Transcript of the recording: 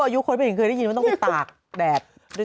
อายุคนไปอีกคือได้ยินว่าต้องไปตากแดด